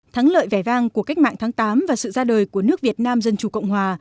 thắng lợi vẻ vang của cách mạng tháng tám và sự ra đời của nước việt nam dân chủ cộng hòa